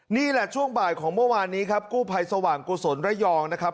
นี่แหละช่วงบ่ายของเมื่อวานนี้ครับกู้ภัยสว่างกุศลระยองนะครับ